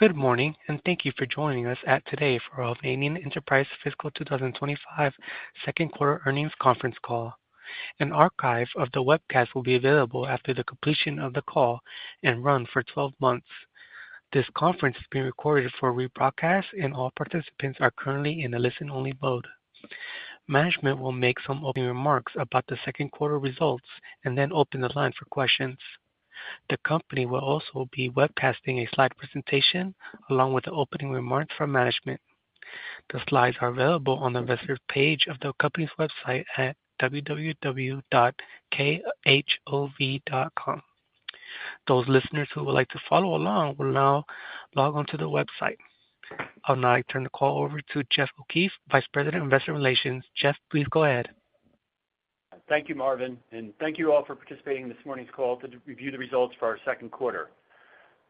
Good morning, and thank you for joining us today for the Hovnanian Enterprises Fiscal 2025 Second Quarter Earnings Conference Call. An archive of the webcast will be available after the completion of the call and run for 12 months. This conference is being recorded for rebroadcast, and all participants are currently in a listen-only mode. Management will make some opening remarks about the second quarter results and then open the line for questions. The company will also be webcasting a slide presentation along with the opening remarks from management. The slides are available on the investor page of the company's website at www.khov.com. Those listeners who would like to follow along will now log onto the website. I'll now turn the call over to Jeff O'Keefe, Vice President of Investor Relations. Jeff, please go ahead. Thank you, Marvin, and thank you all for participating in this morning's call to review the results for our second quarter.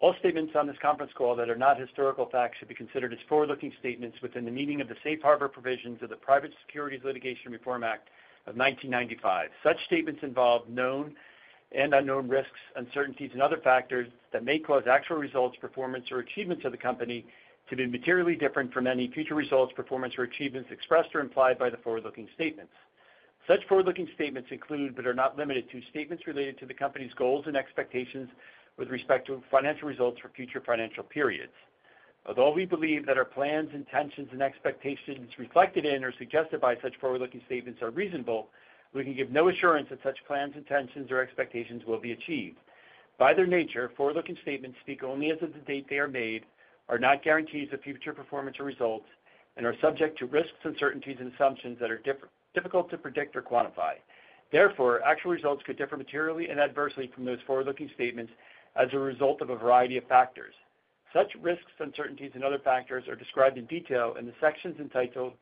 All statements on this conference call that are not historical facts should be considered as forward-looking statements within the meaning of the safe harbor provisions of the Private Securities Litigation Reform Act of 1995. Such statements involve known and unknown risks, uncertainties, and other factors that may cause actual results, performance, or achievements of the company to be materially different from any future results, performance, or achievements expressed or implied by the forward-looking statements. Such forward-looking statements include, but are not limited to, statements related to the company's goals and expectations with respect to financial results for future financial periods. Although we believe that our plans, intentions, and expectations reflected in or suggested by such forward-looking statements are reasonable, we can give no assurance that such plans, intentions, or expectations will be achieved. By their nature, forward-looking statements speak only as of the date they are made, are not guarantees of future performance or results, and are subject to risks, uncertainties, and assumptions that are difficult to predict or quantify. Therefore, actual results could differ materially and adversely from those forward-looking statements as a result of a variety of factors. Such risks, uncertainties, and other factors are described in detail in the sections entitled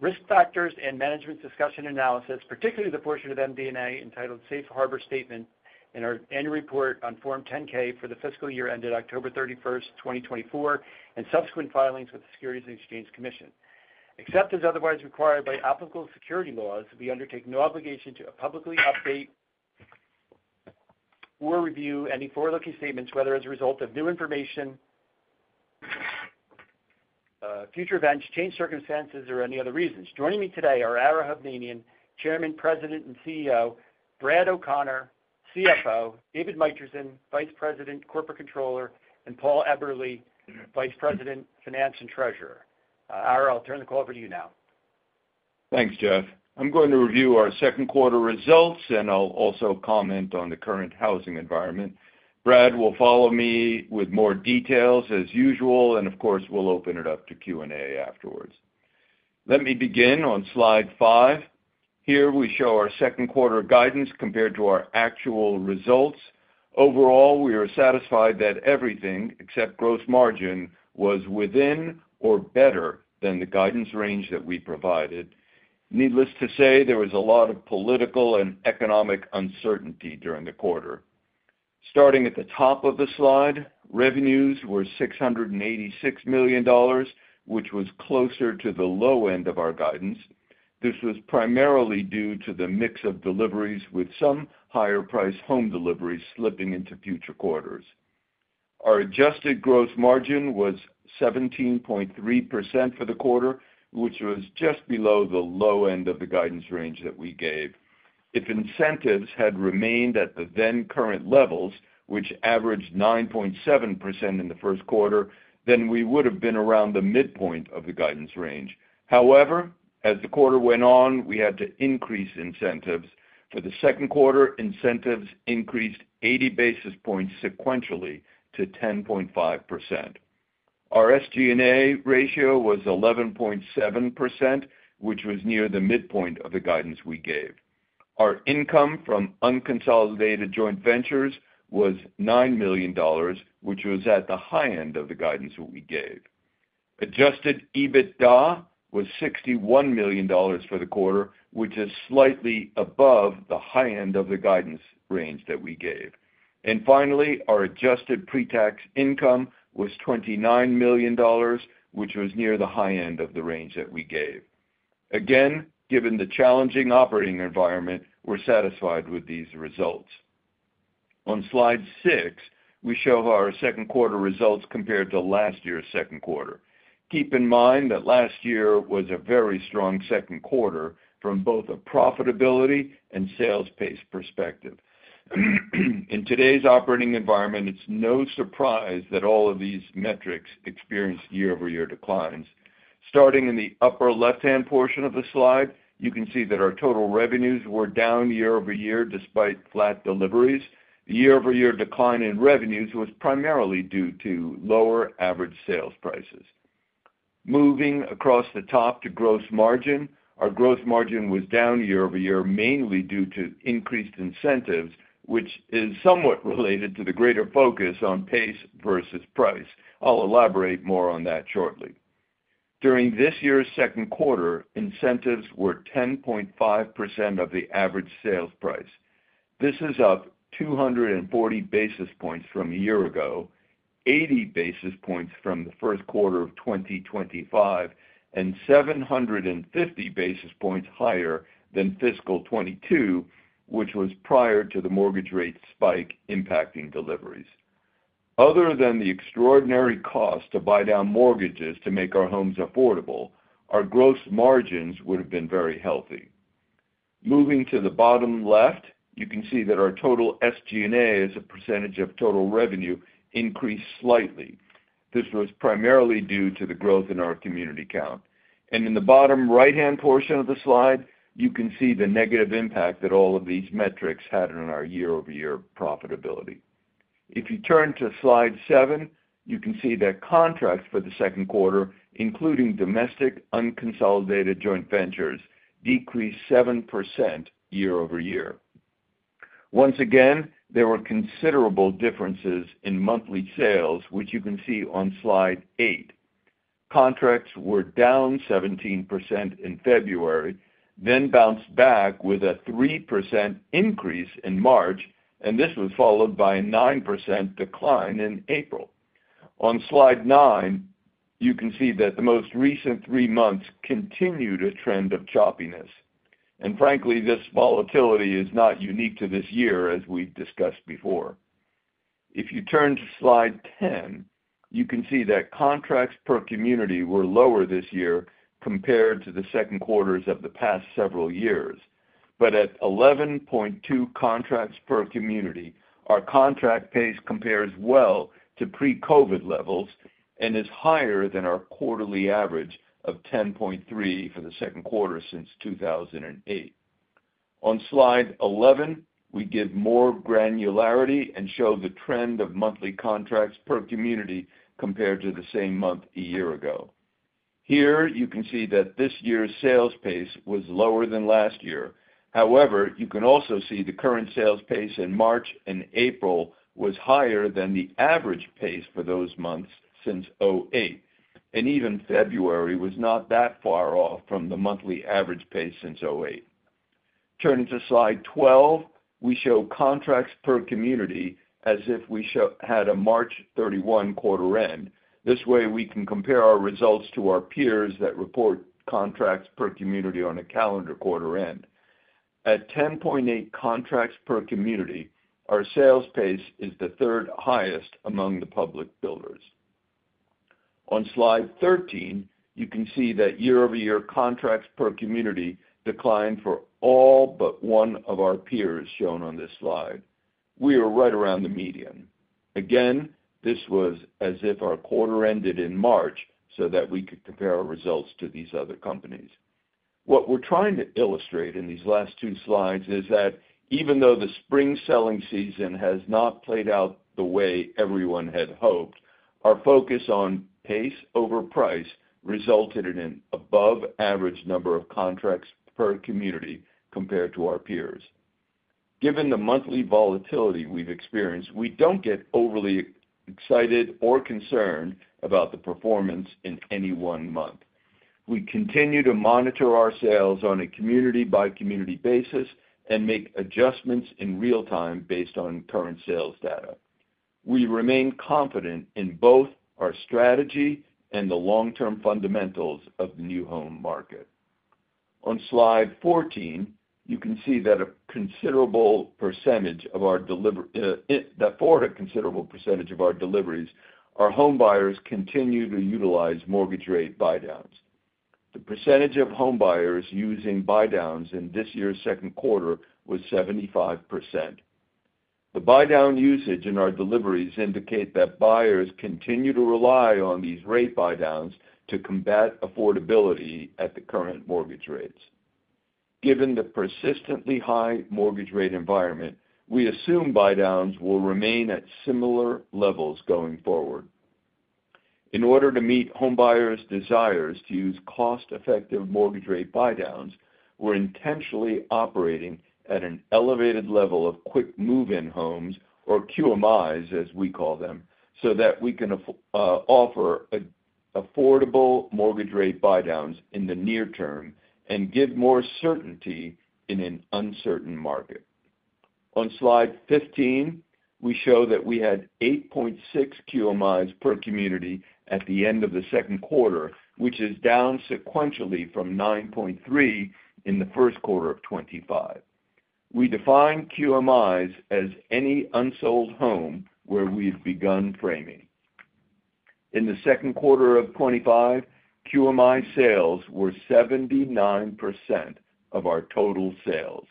Risk Factors and Management's Discussion and Analysis, particularly the portion of MD&A entitled Safe Harbor Statement and our Annual Report on Form 10-K for the fiscal year ended October 31, 2024, and subsequent filings with the Securities and Exchange Commission. Except as otherwise required by applicable securities laws, we undertake no obligation to publicly update or review any forward-looking statements, whether as a result of new information, future events, changed circumstances, or any other reasons. Joining me today are Ara Hovnanian, Chairman, President, and CEO; Brad O'Connor, CFO; David Mitrisin, Vice President, Corporate Controller; and Paul Eberly, Vice President, Finance and Treasurer. Ara, I'll turn the call over to you now. Thanks, Jeff. I'm going to review our second quarter results, and I'll also comment on the current housing environment. Brad will follow me with more details as usual, and of course, we'll open it up to Q&A afterwards. Let me begin on slide five. Here we show our second quarter guidance compared to our actual results. Overall, we are satisfied that everything except gross margin was within or better than the guidance range that we provided. Needless to say, there was a lot of political and economic uncertainty during the quarter. Starting at the top of the slide, revenues were $686 million, which was closer to the low end of our guidance. This was primarily due to the mix of deliveries with some higher-priced home deliveries slipping into future quarters. Our adjusted gross margin was 17.3% for the quarter, which was just below the low end of the guidance range that we gave. If incentives had remained at the then current levels, which averaged 9.7% in the first quarter, then we would have been around the midpoint of the guidance range. However, as the quarter went on, we had to increase incentives. For the second quarter, incentives increased 80 basis points sequentially to 10.5%. Our SG&A ratio was 11.7%, which was near the midpoint of the guidance we gave. Our income from unconsolidated joint ventures was $9 million, which was at the high end of the guidance we gave. Adjusted EBITDA was $61 million for the quarter, which is slightly above the high end of the guidance range that we gave. Finally, our adjusted pre-tax income was $29 million, which was near the high end of the range that we gave. Again, given the challenging operating environment, we're satisfied with these results. On slide six, we show our second quarter results compared to last year's second quarter. Keep in mind that last year was a very strong second quarter from both a profitability and sales pace perspective. In today's operating environment, it's no surprise that all of these metrics experience year-over-year declines. Starting in the upper left-hand portion of the slide, you can see that our total revenues were down year-over-year despite flat deliveries. The year-over-year decline in revenues was primarily due to lower average sales prices. Moving across the top to gross margin, our gross margin was down year-over-year mainly due to increased incentives, which is somewhat related to the greater focus on pace versus price. I'll elaborate more on that shortly. During this year's second quarter, incentives were 10.5% of the average sales price. This is up 240 basis points from a year ago, 80 basis points from the first quarter of 2025, and 750 basis points higher than fiscal 2022, which was prior to the mortgage rate spike impacting deliveries. Other than the extraordinary cost to buy down mortgages to make our homes affordable, our gross margins would have been very healthy. Moving to the bottom left, you can see that our total SG&A as a percentage of total revenue increased slightly. This was primarily due to the growth in our community count. In the bottom right-hand portion of the slide, you can see the negative impact that all of these metrics had on our year-over-year profitability. If you turn to slide seven, you can see that contracts for the second quarter, including domestic unconsolidated joint ventures, decreased 7% year-over-year. Once again, there were considerable differences in monthly sales, which you can see on slide eight. Contracts were down 17% in February, then bounced back with a 3% increase in March, and this was followed by a 9% decline in April. On slide nine, you can see that the most recent three months continue the trend of choppiness. Frankly, this volatility is not unique to this year, as we've discussed before. If you turn to slide ten, you can see that contracts per community were lower this year compared to the second quarters of the past several years. At 11.2 contracts per community, our contract pace compares well to pre-COVID levels and is higher than our quarterly average of 10.3 for the second quarter since 2008. On slide 11, we give more granularity and show the trend of monthly contracts per community compared to the same month a year ago. Here, you can see that this year's sales pace was lower than last year. However, you can also see the current sales pace in March and April was higher than the average pace for those months since 2008, and even February was not that far off from the monthly average pace since 2008. Turning to slide 12, we show contracts per community as if we had a March 31 quarter end. This way, we can compare our results to our peers that report contracts per community on a calendar quarter end. At 10.8 contracts per community, our sales pace is the third highest among the public builders. On slide 13, you can see that year-over-year contracts per community declined for all but one of our peers shown on this slide. We are right around the median. Again, this was as if our quarter ended in March so that we could compare our results to these other companies. What we're trying to illustrate in these last two slides is that even though the spring selling season has not played out the way everyone had hoped, our focus on pace over price resulted in an above-average number of contracts per community compared to our peers. Given the monthly volatility we've experienced, we don't get overly excited or concerned about the performance in any one month. We continue to monitor our sales on a community-by-community basis and make adjustments in real time based on current sales data. We remain confident in both our strategy and the long-term fundamentals of the new home market. On slide 14, you can see that for a considerable percentage of our deliveries, our home buyers continue to utilize mortgage rate buy-downs. The percentage of home buyers using buy-downs in this year's second quarter was 75%. The buy-down usage in our deliveries indicates that buyers continue to rely on these rate buy-downs to combat affordability at the current mortgage rates. Given the persistently high mortgage rate environment, we assume buy-downs will remain at similar levels going forward. In order to meet home buyers' desires to use cost-effective mortgage rate buy-downs, we're intentionally operating at an elevated level of quick move-in homes, or QMIs, as we call them, so that we can offer affordable mortgage rate buy-downs in the near term and give more certainty in an uncertain market. On slide 15, we show that we had 8.6 QMIs per community at the end of the second quarter, which is down sequentially from 9.3 in the first quarter of 2025. We define QMIs as any unsold home where we have begun framing. In the second quarter of 2025, QMI sales were 79% of our total sales.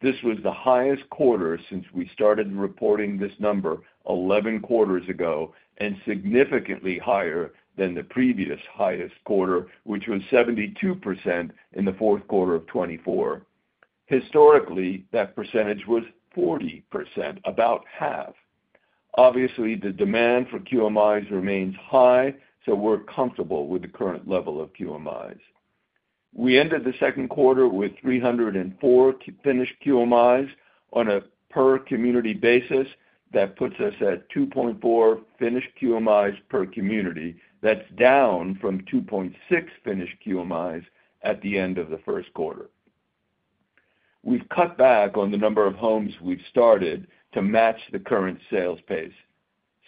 This was the highest quarter since we started reporting this number 11 quarters ago and significantly higher than the previous highest quarter, which was 72% in the fourth quarter of 2024. Historically, that percentage was 40%, about half. Obviously, the demand for QMIs remains high, so we're comfortable with the current level of QMIs. We ended the second quarter with 304 finished QMIs on a per-community basis. That puts us at 2.4 finished QMIs per community. That's down from 2.6 finished QMIs at the end of the first quarter. We've cut back on the number of homes we've started to match the current sales pace.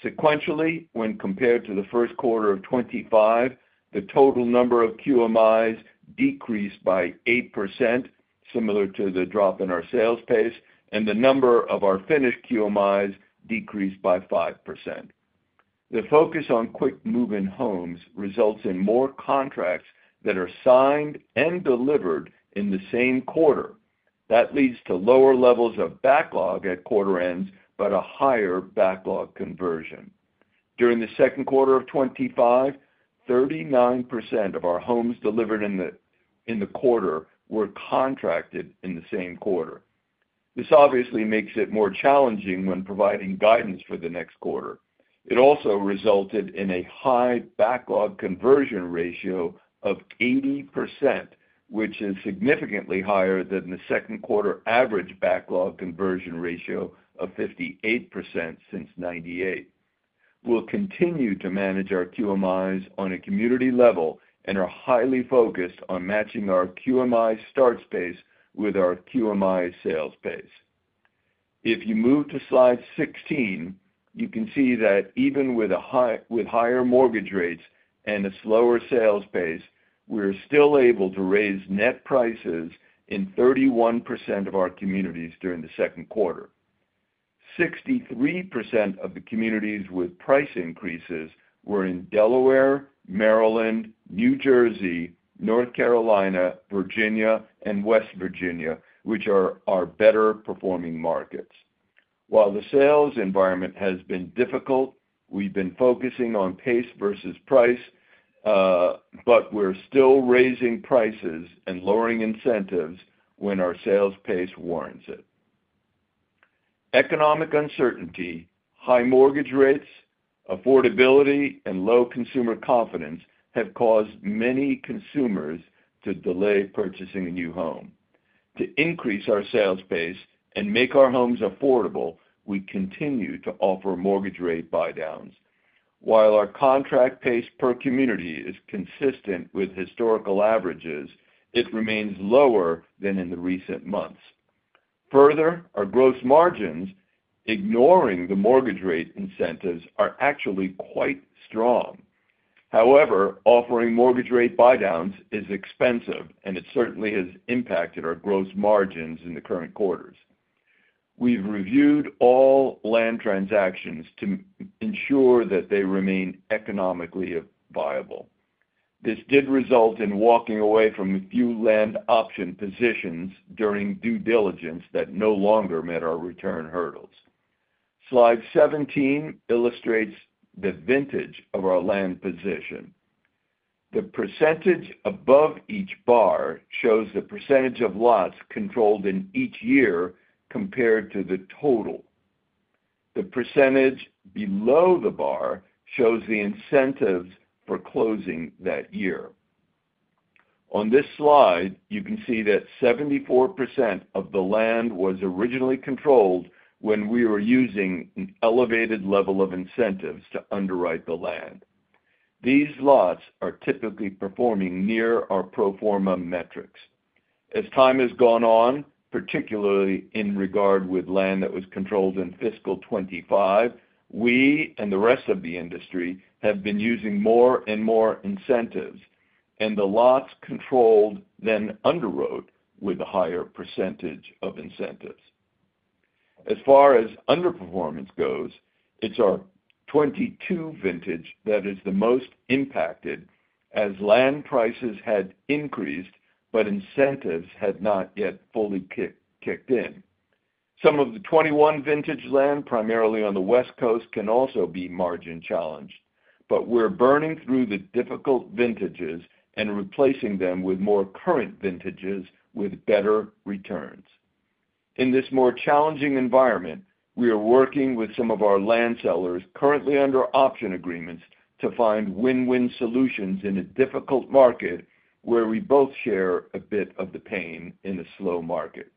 Sequentially, when compared to the first quarter of 2025, the total number of QMIs decreased by 8%, similar to the drop in our sales pace, and the number of our finished QMIs decreased by 5%. The focus on quick move-in homes results in more contracts that are signed and delivered in the same quarter. That leads to lower levels of backlog at quarter ends, but a higher backlog conversion. During the second quarter of 2025, 39% of our homes delivered in the quarter were contracted in the same quarter. This obviously makes it more challenging when providing guidance for the next quarter. It also resulted in a high backlog conversion ratio of 80%, which is significantly higher than the second quarter average backlog conversion ratio of 58% since 1998. We'll continue to manage our QMIs on a community level and are highly focused on matching our QMI start pace with our QMI sales pace. If you move to slide 16, you can see that even with higher mortgage rates and a slower sales pace, we're still able to raise net prices in 31% of our communities during the second quarter. 63% of the communities with price increases were in Delaware, Maryland, New Jersey, North Carolina, Virginia, and West Virginia, which are our better performing markets. While the sales environment has been difficult, we've been focusing on pace versus price, but we're still raising prices and lowering incentives when our sales pace warrants it. Economic uncertainty, high mortgage rates, affordability, and low consumer confidence have caused many consumers to delay purchasing a new home. To increase our sales pace and make our homes affordable, we continue to offer mortgage rate buy-downs. While our contract pace per community is consistent with historical averages, it remains lower than in the recent months. Further, our gross margins, ignoring the mortgage rate incentives, are actually quite strong. However, offering mortgage rate buy-downs is expensive, and it certainly has impacted our gross margins in the current quarters. We've reviewed all land transactions to ensure that they remain economically viable. This did result in walking away from a few land option positions during due diligence that no longer met our return hurdles. Slide 17 illustrates the vintage of our land position. The percentage above each bar shows the percentage of lots controlled in each year compared to the total. The percentage below the bar shows the incentives for closing that year. On this slide, you can see that 74% of the land was originally controlled when we were using an elevated level of incentives to underwrite the land. These lots are typically performing near our pro forma metrics. As time has gone on, particularly in regard with land that was controlled in fiscal 2025, we and the rest of the industry have been using more and more incentives, and the lots controlled then underwrote with a higher percentage of incentives. As far as underperformance goes, it is our 2022 vintage that is the most impacted as land prices had increased, but incentives had not yet fully kicked in. Some of the '21 vintage land, primarily on the West Coast, can also be margin challenged, but we're burning through the difficult vintages and replacing them with more current vintages with better returns. In this more challenging environment, we are working with some of our land sellers currently under option agreements to find win-win solutions in a difficult market where we both share a bit of the pain in a slow market.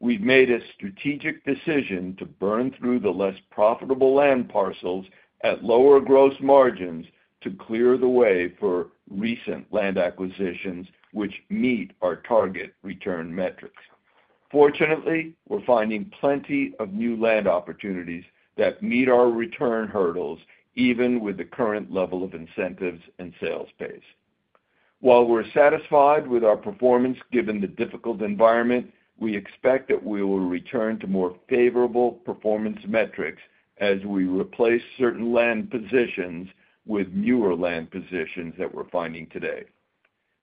We've made a strategic decision to burn through the less profitable land parcels at lower gross margins to clear the way for recent land acquisitions, which meet our target return metrics. Fortunately, we're finding plenty of new land opportunities that meet our return hurdles, even with the current level of incentives and sales pace. While we're satisfied with our performance given the difficult environment, we expect that we will return to more favorable performance metrics as we replace certain land positions with newer land positions that we're finding today.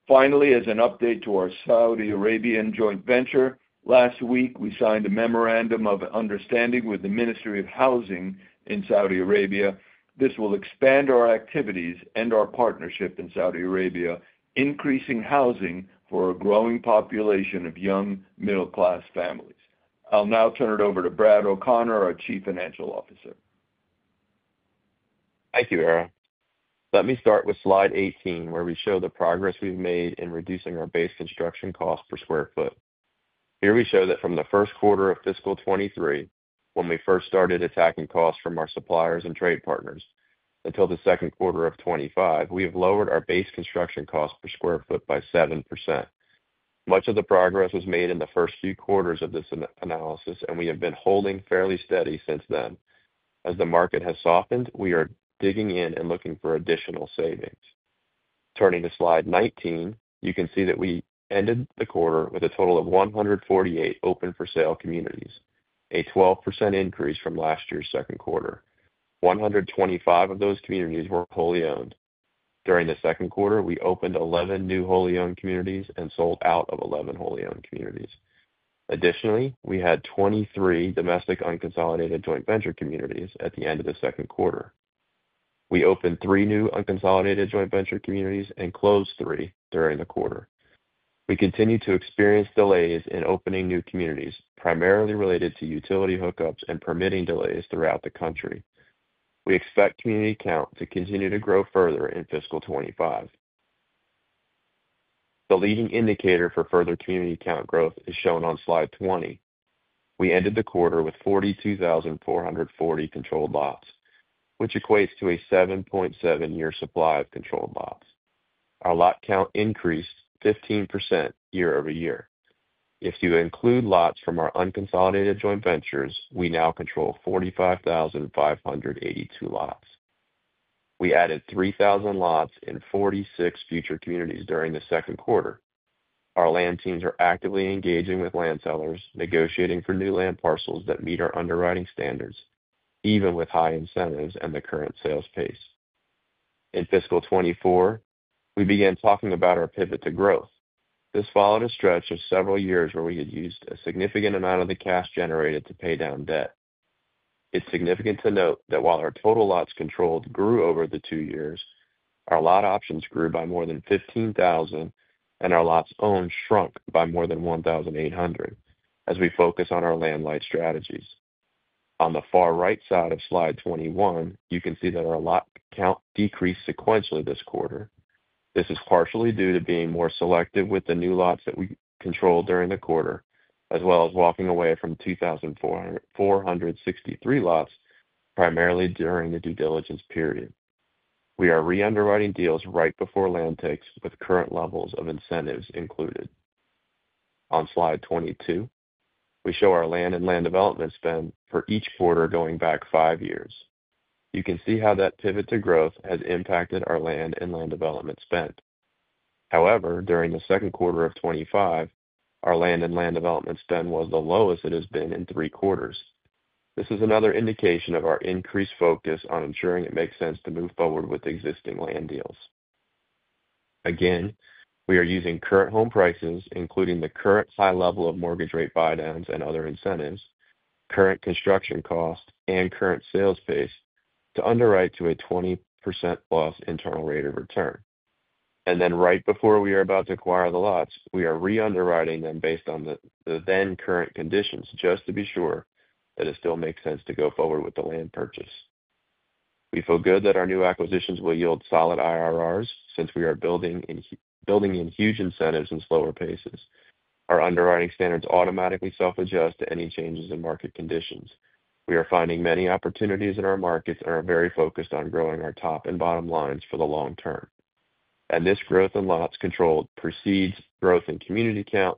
Finally, as an update to our Saudi Arabian joint venture, last week we signed a memorandum of understanding with the Ministry of Housing in Saudi Arabia. This will expand our activities and our partnership in Saudi Arabia, increasing housing for a growing population of young middle-class families. I'll now turn it over to Brad O'Connor, our Chief Financial Officer. Thank you, Ara. Let me start with slide 18, where we show the progress we've made in reducing our base construction cost per sq ft. Here we show that from the first quarter of fiscal 2023, when we first started attacking costs from our suppliers and trade partners, until the second quarter of 2025, we have lowered our base construction cost per sq ft by 7%. Much of the progress was made in the first few quarters of this analysis, and we have been holding fairly steady since then. As the market has softened, we are digging in and looking for additional savings. Turning to slide 19, you can see that we ended the quarter with a total of 148 open-for-sale communities, a 12% increase from last year's second quarter. 125 of those communities were wholly owned. During the second quarter, we opened 11 new wholly owned communities and sold out of 11 wholly owned communities. Additionally, we had 23 domestic unconsolidated joint venture communities at the end of the second quarter. We opened three new unconsolidated joint venture communities and closed three during the quarter. We continue to experience delays in opening new communities, primarily related to utility hookups and permitting delays throughout the country. We expect community count to continue to grow further in fiscal 2025. The leading indicator for further community count growth is shown on slide 20. We ended the quarter with 42,440 controlled lots, which equates to a 7.7-year supply of controlled lots. Our lot count increased 15% year over year. If you include lots from our unconsolidated joint ventures, we now control 45,582 lots. We added 3,000 lots in 46 future communities during the second quarter. Our land teams are actively engaging with land sellers, negotiating for new land parcels that meet our underwriting standards, even with high incentives and the current sales pace. In fiscal 2024, we began talking about our pivot to growth. This followed a stretch of several years where we had used a significant amount of the cash generated to pay down debt. It's significant to note that while our total lots controlled grew over the two years, our lot options grew by more than 15,000, and our lots owned shrunk by more than 1,800 as we focus on our land-light strategies. On the far right side of slide 21, you can see that our lot count decreased sequentially this quarter. This is partially due to being more selective with the new lots that we controlled during the quarter, as well as walking away from 2,463 lots primarily during the due diligence period. We are re-underwriting deals right before land takes with current levels of incentives included. On slide 22, we show our land and land development spend for each quarter going back five years. You can see how that pivot to growth has impacted our land and land development spend. However, during the second quarter of 2025, our land and land development spend was the lowest it has been in three quarters. This is another indication of our increased focus on ensuring it makes sense to move forward with existing land deals. Again, we are using current home prices, including the current high level of mortgage rate buy-downs and other incentives, current construction cost, and current sales pace to underwrite to a 20% plus internal rate of return. Right before we are about to acquire the lots, we are re-underwriting them based on the then current conditions just to be sure that it still makes sense to go forward with the land purchase. We feel good that our new acquisitions will yield solid IRRs since we are building in huge incentives and slower paces. Our underwriting standards automatically self-adjust to any changes in market conditions. We are finding many opportunities in our markets and are very focused on growing our top and bottom lines for the long term. This growth in lots controlled precedes growth in community count,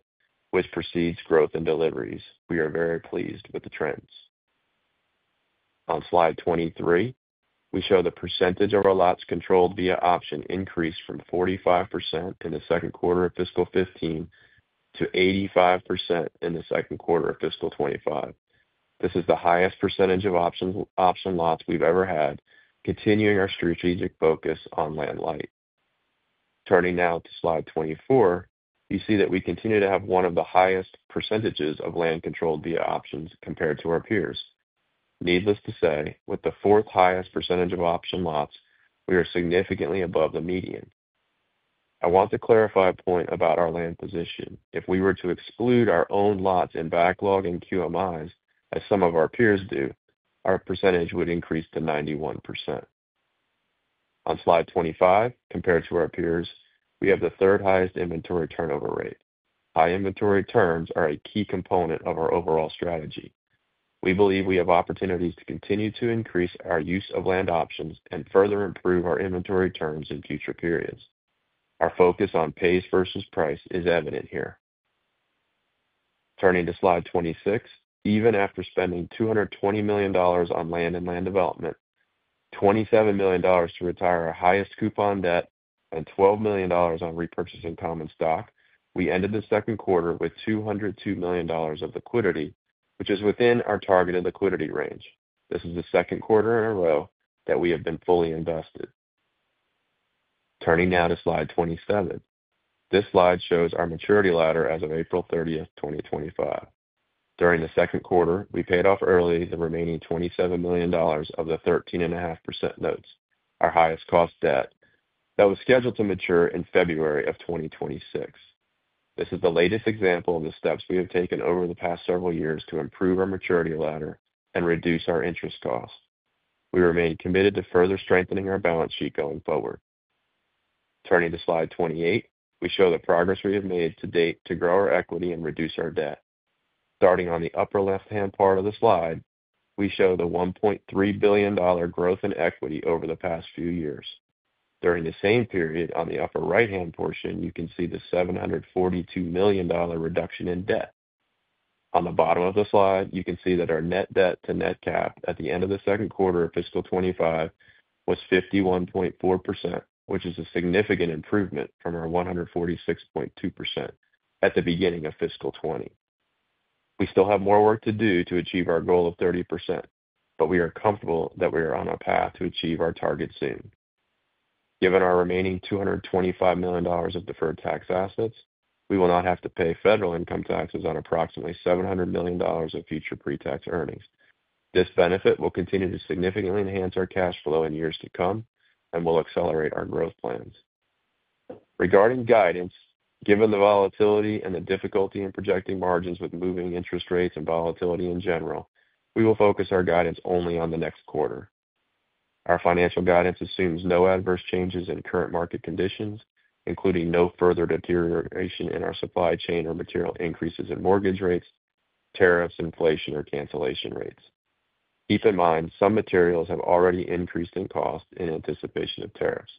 which precedes growth in deliveries. We are very pleased with the trends. On slide 23, we show the percentage of our lots controlled via option increased from 45% in the second quarter of fiscal 2015 to 85% in the second quarter of fiscal 2025. This is the highest percentage of option lots we've ever had, continuing our strategic focus on land-light. Turning now to slide 24, you see that we continue to have one of the highest percentages of land controlled via options compared to our peers. Needless to say, with the fourth highest percentage of option lots, we are significantly above the median. I want to clarify a point about our land position. If we were to exclude our own lots and backlog in QMIs, as some of our peers do, our percentage would increase to 91%. On slide 25, compared to our peers, we have the third highest inventory turnover rate. High inventory turns are a key component of our overall strategy. We believe we have opportunities to continue to increase our use of land options and further improve our inventory turns in future periods. Our focus on pace versus price is evident here. Turning to slide 26, even after spending $220 million on land and land development, $27 million to retire our highest coupon debt, and $12 million on repurchasing common stock, we ended the second quarter with $202 million of liquidity, which is within our targeted liquidity range. This is the second quarter in a row that we have been fully invested. Turning now to slide 27. This slide shows our maturity ladder as of April 30, 2025. During the second quarter, we paid off early the remaining $27 million of the 13.5% notes, our highest cost debt, that was scheduled to mature in February of 2026. This is the latest example of the steps we have taken over the past several years to improve our maturity ladder and reduce our interest costs. We remain committed to further strengthening our balance sheet going forward. Turning to slide 28, we show the progress we have made to date to grow our equity and reduce our debt. Starting on the upper left-hand part of the slide, we show the $1.3 billion growth in equity over the past few years. During the same period, on the upper right-hand portion, you can see the $742 million reduction in debt. On the bottom of the slide, you can see that our net debt to net cap at the end of the second quarter of fiscal 2025 was 51.4%, which is a significant improvement from our 146.2% at the beginning of fiscal 2020. We still have more work to do to achieve our goal of 30%, but we are comfortable that we are on a path to achieve our target soon. Given our remaining $225 million of deferred tax assets, we will not have to pay federal income taxes on approximately $700 million of future pre-tax earnings. This benefit will continue to significantly enhance our cash flow in years to come and will accelerate our growth plans. Regarding guidance, given the volatility and the difficulty in projecting margins with moving interest rates and volatility in general, we will focus our guidance only on the next quarter. Our financial guidance assumes no adverse changes in current market conditions, including no further deterioration in our supply chain or material increases in mortgage rates, tariffs, inflation, or cancellation rates. Keep in mind, some materials have already increased in cost in anticipation of tariffs.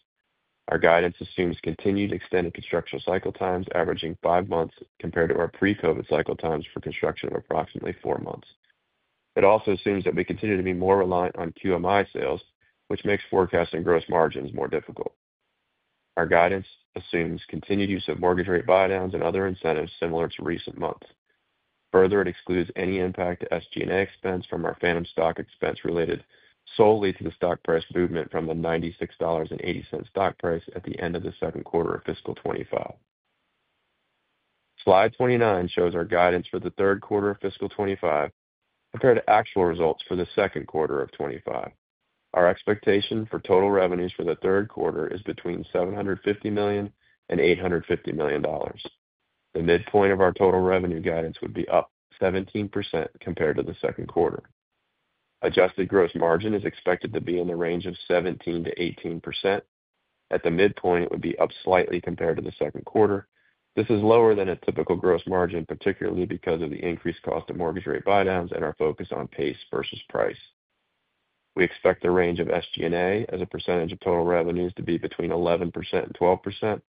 Our guidance assumes continued extended construction cycle times averaging five months compared to our pre-COVID cycle times for construction of approximately four months. It also assumes that we continue to be more reliant on QMI sales, which makes forecasting gross margins more difficult. Our guidance assumes continued use of mortgage rate buy-downs and other incentives similar to recent months. Further, it excludes any impact to SG&A expense from our phantom stock expense related solely to the stock price movement from the $96.80 stock price at the end of the second quarter of fiscal 2025. Slide 29 shows our guidance for the third quarter of fiscal 2025 compared to actual results for the second quarter of 2025. Our expectation for total revenues for the third quarter is between $750 million and $850 million. The midpoint of our total revenue guidance would be up 17% compared to the second quarter. Adjusted gross margin is expected to be in the range of 17%-18%. At the midpoint, it would be up slightly compared to the second quarter. This is lower than a typical gross margin, particularly because of the increased cost of mortgage rate buy-downs and our focus on pace versus price. We expect the range of SG&A as a percentage of total revenues to be between 11%-12%,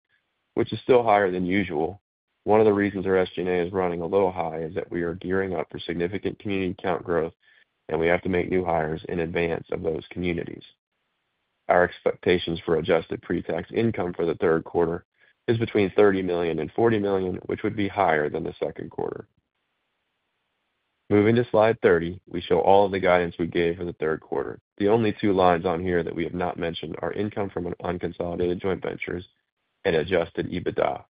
which is still higher than usual. One of the reasons our SG&A is running a little high is that we are gearing up for significant community count growth, and we have to make new hires in advance of those communities. Our expectations for adjusted pre-tax income for the third quarter is between $30 million and $40 million, which would be higher than the second quarter. Moving to slide 30, we show all of the guidance we gave for the third quarter. The only two lines on here that we have not mentioned are income from unconsolidated joint ventures and adjusted EBITDA.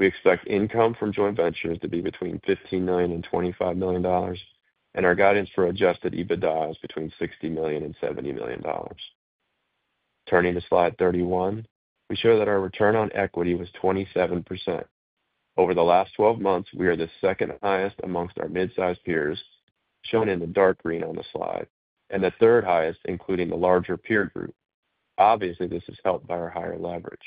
We expect income from joint ventures to be between $15 million and $25 million, and our guidance for adjusted EBITDA is between $60 million and $70 million. Turning to slide 31, we show that our return on equity was 27%. Over the last 12 months, we are the second highest amongst our mid-sized peers, shown in the dark green on the slide, and the third highest, including the larger peer group. Obviously, this is helped by our higher leverage.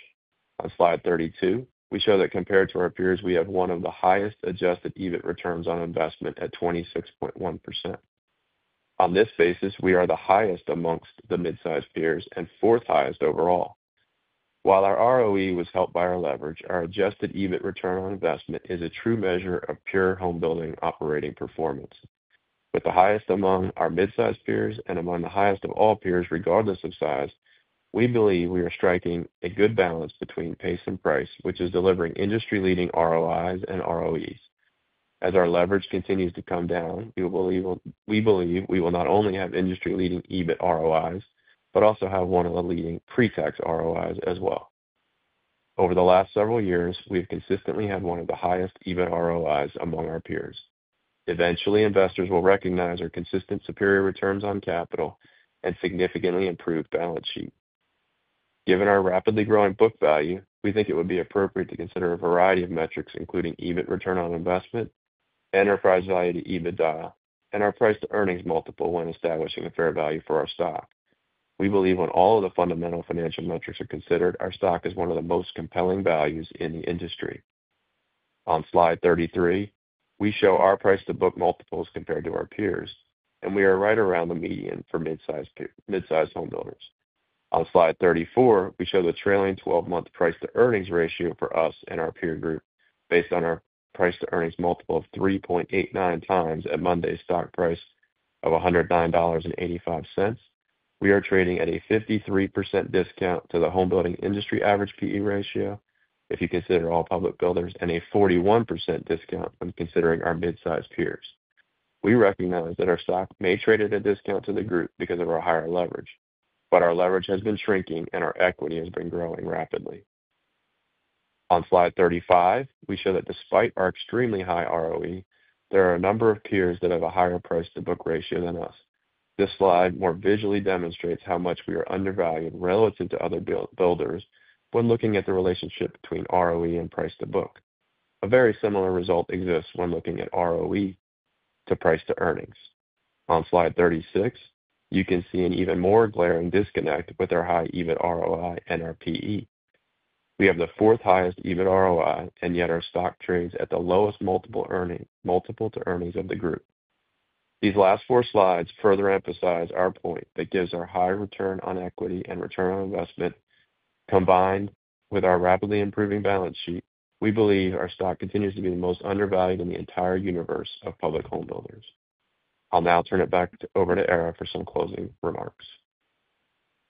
On slide 32, we show that compared to our peers, we have one of the highest adjusted EBIT returns on investment at 26.1%. On this basis, we are the highest amongst the mid-sized peers and fourth highest overall. While our ROE was helped by our leverage, our adjusted EBIT return on investment is a true measure of pure home building operating performance. With the highest among our mid-sized peers and among the highest of all peers, regardless of size, we believe we are striking a good balance between pace and price, which is delivering industry-leading ROIs and ROEs. As our leverage continues to come down, we believe we will not only have industry-leading EBIT ROIs, but also have one of the leading pre-tax ROIs as well. Over the last several years, we have consistently had one of the highest EBIT ROIs among our peers. Eventually, investors will recognize our consistent superior returns on capital and significantly improved balance sheet. Given our rapidly growing book value, we think it would be appropriate to consider a variety of metrics, including EBIT return on investment, enterprise value to EBITDA, and our price to earnings multiple when establishing a fair value for our stock. We believe when all of the fundamental financial metrics are considered, our stock is one of the most compelling values in the industry. On slide 33, we show our price to book multiples compared to our peers, and we are right around the median for mid-sized home builders. On slide 34, we show the trailing 12-month price to earnings ratio for us and our peer group based on our price to earnings multiple of 3.89 times at Monday's stock price of $109.85. We are trading at a 53% discount to the home building industry average PE ratio, if you consider all public builders, and a 41% discount when considering our mid-sized peers. We recognize that our stock may trade at a discount to the group because of our higher leverage, but our leverage has been shrinking and our equity has been growing rapidly. On slide 35, we show that despite our extremely high ROE, there are a number of peers that have a higher price to book ratio than us. This slide more visually demonstrates how much we are undervalued relative to other builders when looking at the relationship between ROE and price to book. A very similar result exists when looking at ROE to price to earnings. On slide 36, you can see an even more glaring disconnect with our high EBIT ROI and our PE. We have the fourth highest EBIT ROI, and yet our stock trades at the lowest multiple to earnings of the group. These last four slides further emphasize our point that given our high return on equity and return on investment. Combined with our rapidly improving balance sheet, we believe our stock continues to be the most undervalued in the entire universe of public home builders. I'll now turn it back over to Ara for some closing remarks.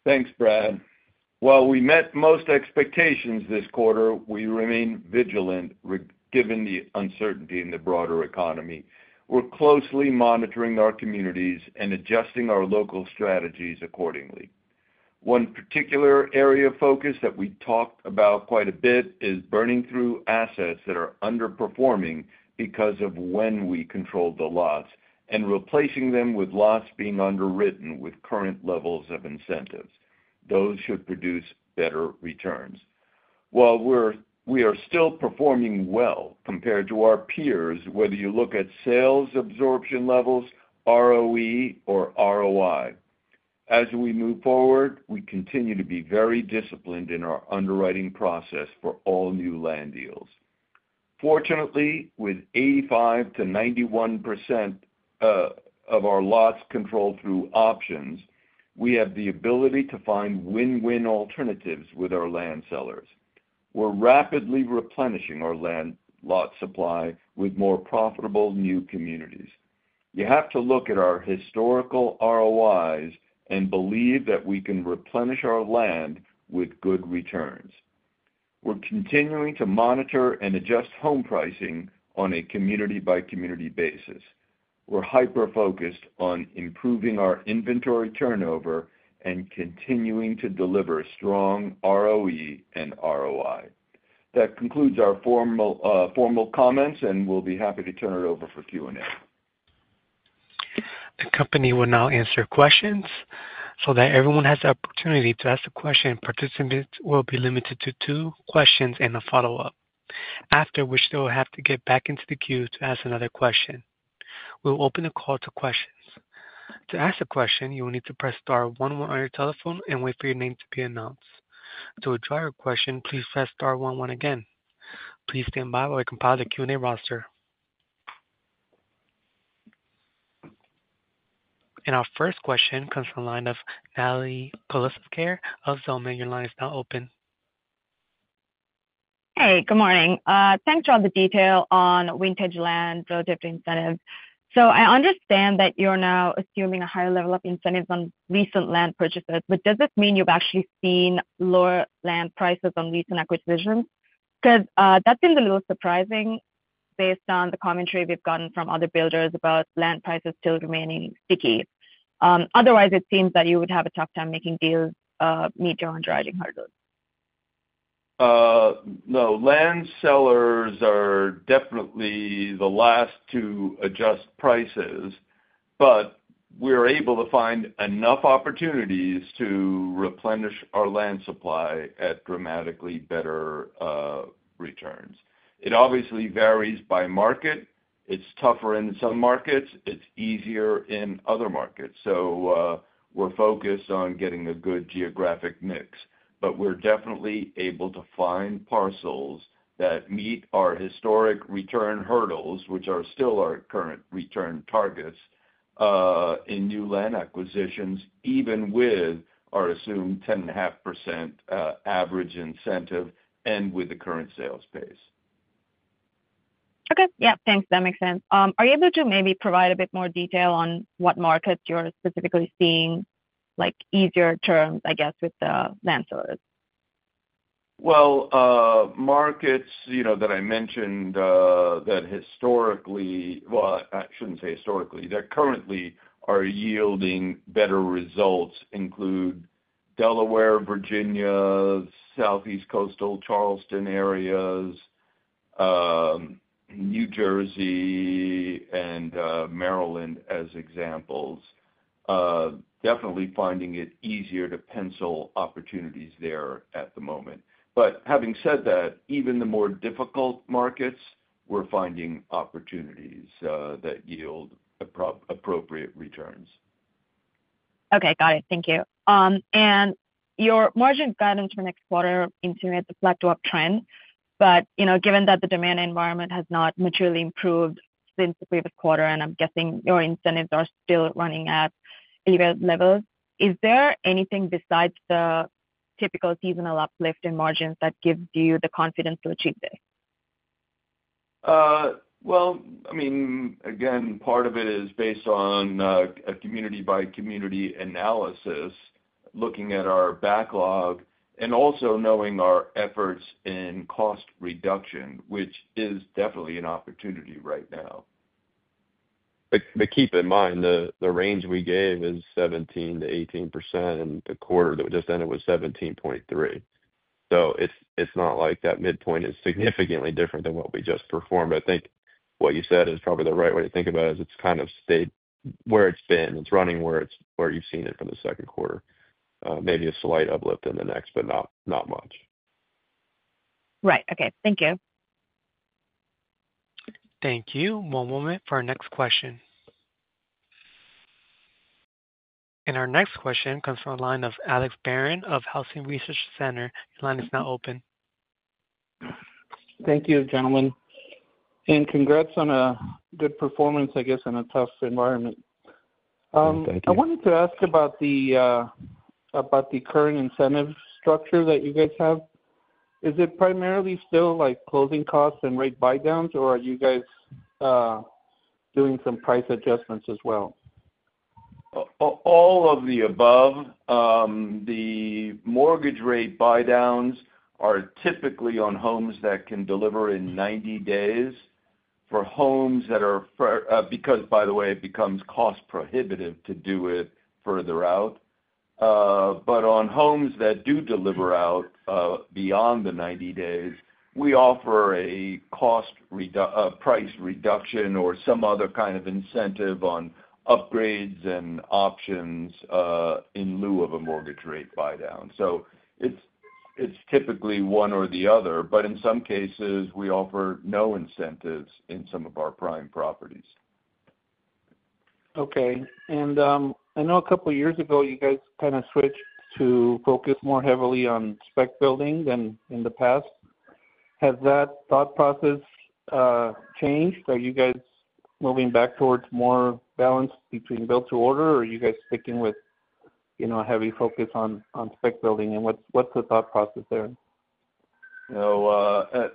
Thanks, Brad. While we met most expectations this quarter, we remain vigilant given the uncertainty in the broader economy. We're closely monitoring our communities and adjusting our local strategies accordingly. One particular area of focus that we talked about quite a bit is burning through assets that are underperforming because of when we controlled the lots and replacing them with lots being underwritten with current levels of incentives. Those should produce better returns. While we are still performing well compared to our peers, whether you look at sales absorption levels, ROE, or ROI, as we move forward, we continue to be very disciplined in our underwriting process for all new land deals. Fortunately, with 85%-91% of our lots controlled through options, we have the ability to find win-win alternatives with our land sellers. We're rapidly replenishing our land lot supply with more profitable new communities. You have to look at our historical ROIs and believe that we can replenish our land with good returns. We're continuing to monitor and adjust home pricing on a community-by-community basis. We're hyper-focused on improving our inventory turnover and continuing to deliver strong ROE and ROI. That concludes our formal comments, and we'll be happy to turn it over for Q&A. The company will now answer questions so that everyone has the opportunity to ask a question. Participants will be limited to two questions and a follow-up, after which they will have to get back into the queue to ask another question. We'll open the call to questions. To ask a question, you will need to press star one one on your telephone and wait for your name to be announced. To withdraw your question, please press star one one again. Please stand by while we compile the Q&A roster. Our first question comes from the line of Natalie Coles of Care. Ozoma, your line is now open. Hey, good morning. Thanks for all the detail on vintage land relative to incentives. I understand that you're now assuming a higher level of incentives on recent land purchases, but does this mean you've actually seen lower land prices on recent acquisitions? Because that seems a little surprising based on the commentary we've gotten from other builders about land prices still remaining sticky. Otherwise, it seems that you would have a tough time making deals meet your underwriting hurdles. No, land sellers are definitely the last to adjust prices, but we're able to find enough opportunities to replenish our land supply at dramatically better returns. It obviously varies by market. It's tougher in some markets. It's easier in other markets. We are focused on getting a good geographic mix, but we're definitely able to find parcels that meet our historic return hurdles, which are still our current return targets in new land acquisitions, even with our assumed 10.5% average incentive and with the current sales pace. Okay. Yeah, thanks. That makes sense. Are you able to maybe provide a bit more detail on what markets you're specifically seeing, like easier terms, I guess, with the land sellers? Markets that I mentioned that currently are yielding better results include Delaware, Virginia, Southeast Coastal, Charleston areas, New Jersey, and Maryland as examples. Definitely finding it easier to pencil opportunities there at the moment. Having said that, even the more difficult markets, we're finding opportunities that yield appropriate returns. Okay, got it. Thank you. And your margin guidance for next quarter into a flat top trend, but given that the demand environment has not materially improved since the previous quarter, and I'm guessing your incentives are still running at elevated levels, is there anything besides the typical seasonal uplift in margins that gives you the confidence to achieve this? I mean, again, part of it is based on a community-by-community analysis, looking at our backlog, and also knowing our efforts in cost reduction, which is definitely an opportunity right now. But keep in mind, the range we gave is 17%-18%, and the quarter that just ended was 17.3%. So it's not like that midpoint is significantly different than what we just performed. I think what you said is probably the right way to think about it is it's kind of stayed where it's been. It's running where you've seen it for the second quarter. Maybe a slight uplift in the next, but not much. Right. Okay. Thank you. Thank you. One moment for our next question. And our next question comes from the line of Alex Barron of Housing Research Center. Your line is now open. Thank you, gentlemen. Congrats on a good performance, I guess, in a tough environment. I wanted to ask about the current incentive structure that you guys have. Is it primarily still closing costs and rate buy-downs, or are you guys doing some price adjustments as well? All of the above. The mortgage rate buy-downs are typically on homes that can deliver in 90 days for homes that are—because, by the way, it becomes cost prohibitive to do it further out. On homes that do deliver out beyond the 90 days, we offer a price reduction or some other kind of incentive on upgrades and options in lieu of a mortgage rate buy-down. It is typically one or the other, but in some cases, we offer no incentives in some of our prime properties. Okay. I know a couple of years ago, you guys kind of switched to focus more heavily on spec building than in the past. Has that thought process changed? Are you guys moving back towards more balance between build to order, or are you guys sticking with a heavy focus on spec building? What's the thought process there?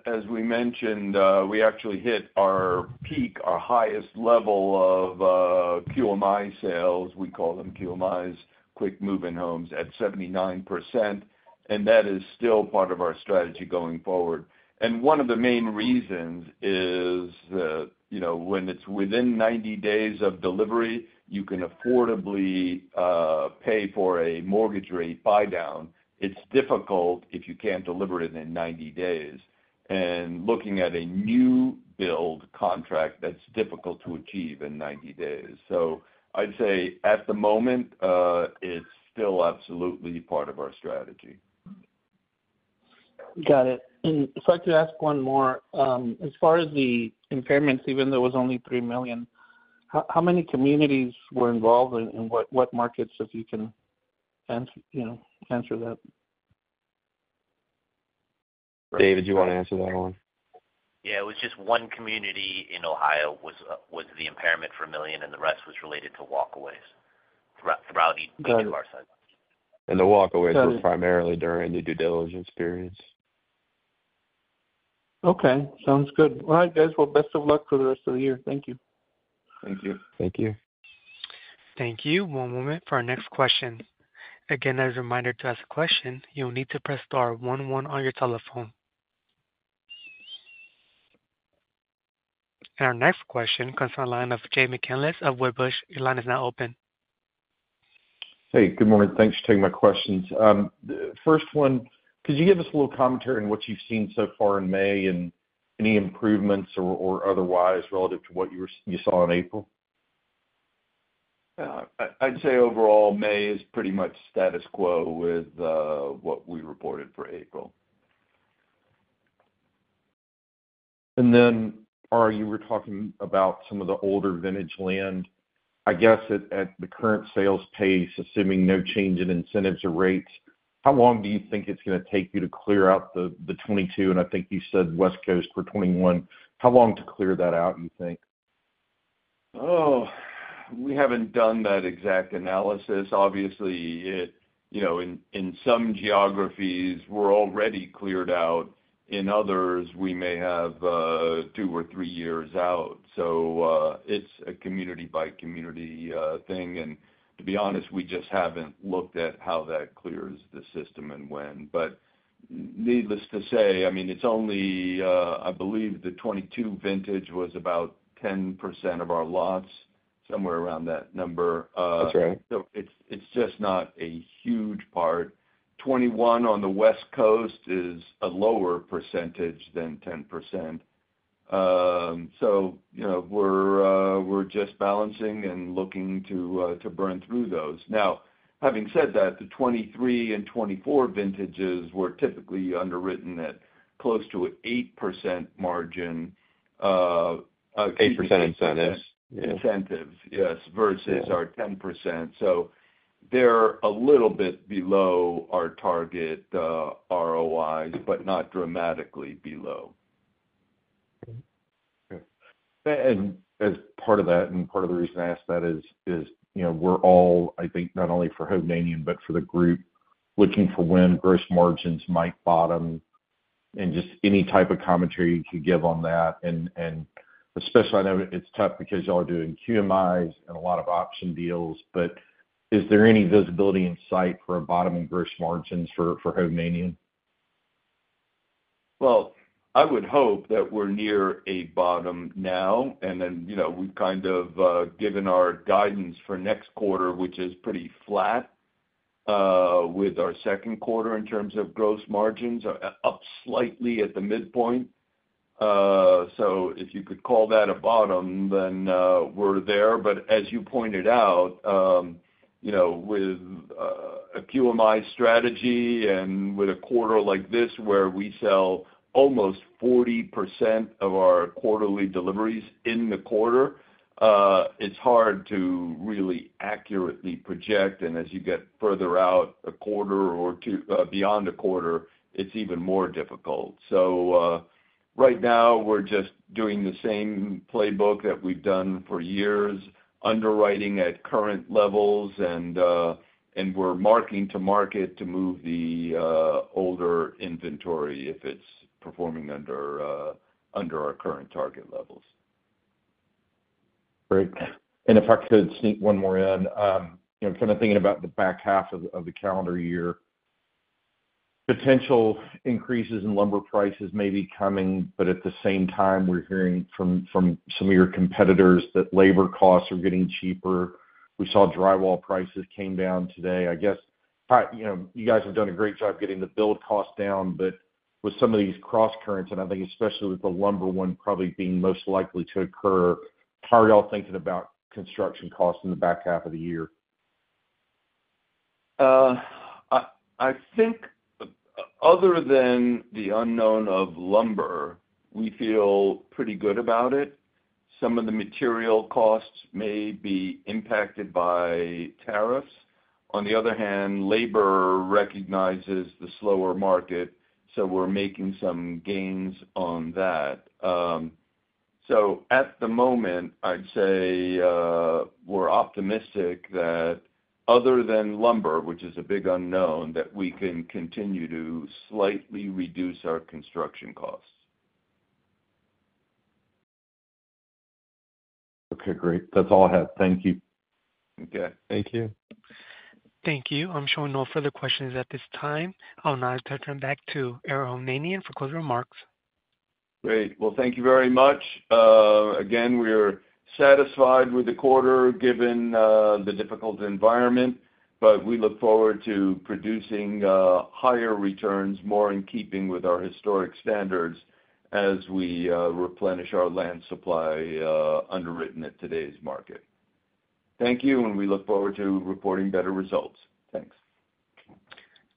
As we mentioned, we actually hit our peak, our highest level of QMI sales. We call them QMIs, quick move-in homes, at 79%. That is still part of our strategy going forward. One of the main reasons is that when it's within 90 days of delivery, you can affordably pay for a mortgage rate buy-down. It's difficult if you can't deliver it in 90 days. Looking at a new build contract, that's difficult to achieve in 90 days. I'd say at the moment, it's still absolutely part of our strategy. Got it. If I could ask one more, as far as the impairments, even though it was only $3 million, how many communities were involved and what markets, if you can answer that? David, do you want to answer that one? Yeah. It was just one community in Ohio was the impairment for $1 million, and the rest was related to walk-aways throughout our site. The walk-aways were primarily during the due diligence periods. Okay. Sounds good. All right, guys. Best of luck for the rest of the year. Thank you. Thank you. Thank you. Thank you. One moment for our next question. Again, as a reminder to ask a question, you'll need to press star one one on your telephone. Our next question comes from the line of Jay McCanless of Wedbush. Your line is now open. Hey, good morning. Thanks for taking my questions. First one, could you give us a little commentary on what you've seen so far in May and any improvements or otherwise relative to what you saw in April? I'd say overall, May is pretty much status quo with what we reported for April. You were talking about some of the older vintage land. I guess at the current sales pace, assuming no change in incentives or rates, how long do you think it's going to take you to clear out the 22? I think you said West Coast for 21. How long to clear that out, you think? Oh, we haven't done that exact analysis. Obviously, in some geographies, we're already cleared out. In others, we may have two or three years out. It is a community-by-community thing. To be honest, we just have not looked at how that clears the system and when. Needless to say, I mean, it is only, I believe, the 2022 vintage was about 10% of our lots, somewhere around that number. That is right. It is just not a huge part. 2021 on the West Coast is a lower percentage than 10%. We are just balancing and looking to burn through those. Having said that, the 2023 and 2024 vintages were typically underwritten at close to an 8% margin. 8% incentives. Yes. Incentives, yes, versus our 10%. They are a little bit below our target ROIs, but not dramatically below. Okay. As part of that, and part of the reason I asked that is we're all, I think, not only for Hovnanian, but for the group, looking for when gross margins might bottom and just any type of commentary you could give on that. Especially, I know it's tough because y'all are doing QMIs and a lot of option deals, but is there any visibility in sight for a bottom in gross margins for Hovnanian? I would hope that we're near a bottom now. We have kind of given our guidance for next quarter, which is pretty flat with our second quarter in terms of gross margins, up slightly at the midpoint. If you could call that a bottom, then we're there. As you pointed out, with a QMI strategy and with a quarter like this where we sell almost 40% of our quarterly deliveries in the quarter, it's hard to really accurately project. As you get further out a quarter or beyond a quarter, it's even more difficult. Right now, we're just doing the same playbook that we've done for years, underwriting at current levels, and we're marking to market to move the older inventory if it's performing under our current target levels. Great. If I could sneak one more in, kind of thinking about the back half of the calendar year, potential increases in lumber prices may be coming, but at the same time, we're hearing from some of your competitors that labor costs are getting cheaper. We saw drywall prices came down today. I guess you guys have done a great job getting the build costs down, but with some of these cross currents, and I think especially with the lumber one probably being most likely to occur, how are y'all thinking about construction costs in the back half of the year? I think other than the unknown of lumber, we feel pretty good about it. Some of the material costs may be impacted by tariffs. On the other hand, labor recognizes the slower market, so we're making some gains on that. At the moment, I'd say we're optimistic that other than lumber, which is a big unknown, we can continue to slightly reduce our construction costs. Okay. Great. That's all I have. Thank you. Okay. Thank you. Thank you. I'm showing no further questions at this time. I'll now turn it back to Ara Hovnanian for closing remarks. Great. Thank you very much. Again, we're satisfied with the quarter given the difficult environment, but we look forward to producing higher returns, more in keeping with our historic standards as we replenish our land supply underwritten at today's market. Thank you, and we look forward to reporting better results. Thanks.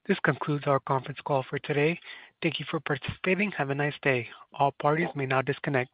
This concludes our conference call for today. Thank you for participating. Have a nice day. All parties may now disconnect.